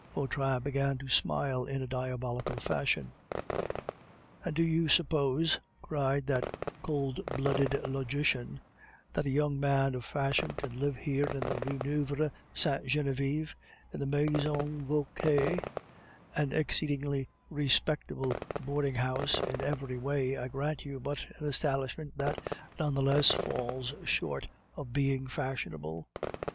Vautrin began to smile in a diabolical fashion. "And do you suppose," cried that cold blooded logician, "that a young man of fashion can live here in the Rue Neuve Sainte Genevieve, in the Maison Vauquer an exceedingly respectable boarding house in every way, I grant you, but an establishment that, none the less, falls short of being fashionable?